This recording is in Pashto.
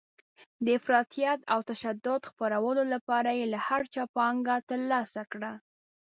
د افراطیت او تشدد خپرولو لپاره یې له هر چا پانګه ترلاسه کړه.